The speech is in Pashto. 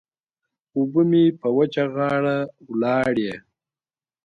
اوبه مې په وچه غاړه ولاړې.